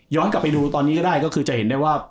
กลับไปดูตอนนี้ก็ได้ก็คือจะเห็นได้ว่า